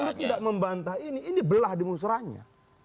kalau lu tidak membantah ini ini belah di musrahnya